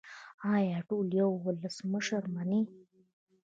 آیا ټول یو ولسمشر مني؟